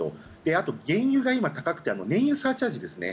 あと、原油が今高くて燃油サーチャージですね